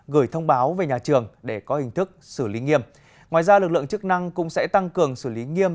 gửi thông báo về nhà trường để có hình thức xử lý nghiêm ngoài ra lực lượng chức năng cũng sẽ tăng cường xử lý nghiêm